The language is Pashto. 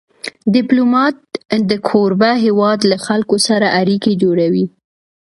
ډيپلومات د کوربه هېواد له خلکو سره اړیکې جوړوي.